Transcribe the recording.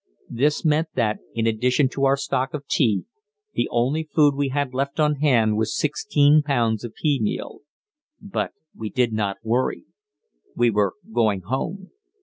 This meant that, in addition to our stock of tea, the only food we had left on hand was sixteen pounds of pea meal. But we did not worry. We were going home.